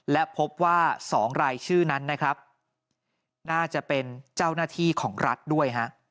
และพบว่า๒รายชื่อนั้นนะครับน่าจะเป็นเจ้าหน้าที่ของรัฐด้วยฮะ